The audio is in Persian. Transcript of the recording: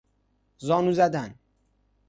زانو زدن